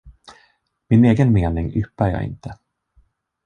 Min egen mening yppar jag inte.